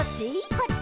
「こっち」